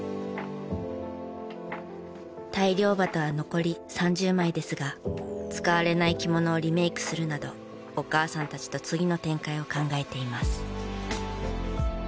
大漁旗は残り３０枚ですが使われない着物をリメイクするなどお母さんたちと次の展開を考えています。